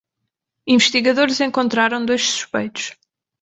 Investigadores encontraram dois suspeitos